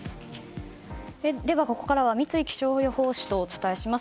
ここからは三井気象予報士とお伝えします。